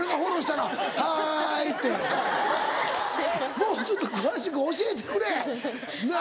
もうちょっと詳しく教えてくれなぁ。